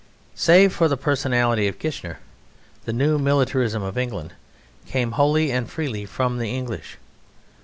Save for the personality of Kitchener, the new militarism of England came wholly and freely from the English.